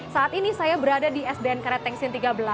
saat ini saya berada di sd negeri tiga belas karet tengsin